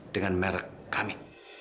dengan merek kami